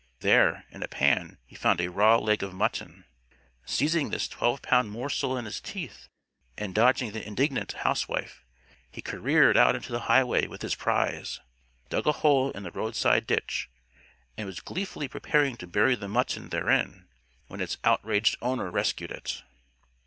There, in a pan, he found a raw leg of mutton. Seizing this twelve pound morsel in his teeth and dodging the indignant housewife, he careered out into the highway with his prize, dug a hole in the roadside ditch and was gleefully preparing to bury the mutton therein, when its outraged owner rescued it.